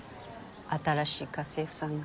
新しい家政婦さんが。